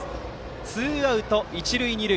ツーアウト、一塁二塁。